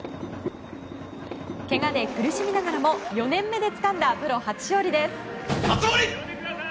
けがで苦しみながらも４年目でつかんだプロ初勝利です。